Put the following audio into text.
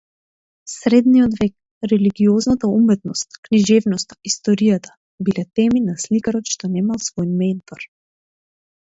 Средниот век, религиозната уметност, книжевноста, историјата, биле теми на сликарот што немал свој ментор.